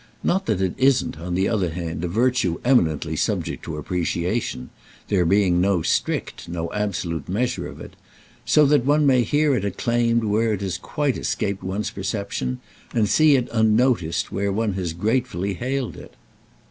Not that it isn't, on the other hand, a virtue eminently subject to appreciation—there being no strict, no absolute measure of it; so that one may hear it acclaimed where it has quite escaped one's perception, and see it unnoticed where one has gratefully hailed it.